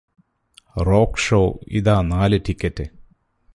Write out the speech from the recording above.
rock show ഇതാ നാല് ticket